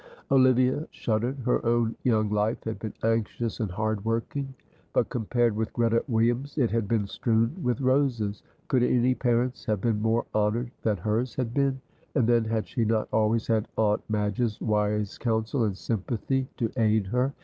Olivia shuddered, her own young life had been anxious and hardworking; but compared with Greta Williams it had been strewn with roses. Could any parents have been more honoured than hers had been? And then had she not always had Aunt Madge's wise counsel and sympathy to aid her?